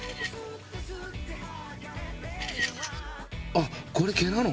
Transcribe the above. あっこれ毛なの？